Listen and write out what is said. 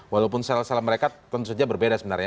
walaupun sel sel mereka tentu saja berbeda sebenarnya